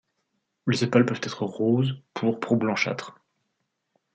Les sépales peuvent être roses, pourpres ou blanchâtres.